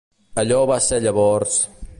Allò va ser llavors ...